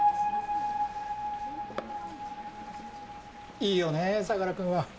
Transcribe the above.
いいよね相良君は。